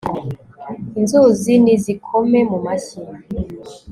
inzuzi nizikome mu mashyi